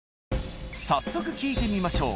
早速聴いてみましょう。